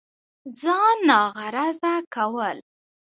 ځان ناغرضه كول